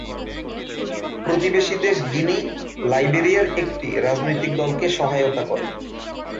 প্রতিবেশী দেশ গিনি, লাইবেরিয়ার একটি রাজনৈতিক দলকে সহায়তা করে।